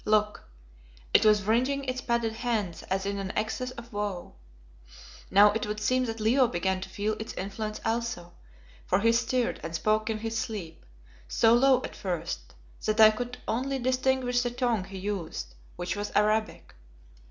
Look! it was wringing its padded hands as in an excess of woe. Now it would seem that Leo began to feel its influence also, for he stirred and spoke in his sleep, so low at first that I could only distinguish the tongue he used, which was Arabic.